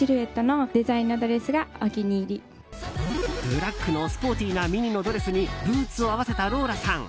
ブラックのスポーティーなミニのドレスにブーツを合わせたローラさん。